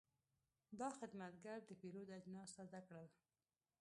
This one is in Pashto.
دا خدمتګر د پیرود اجناس تازه کړل.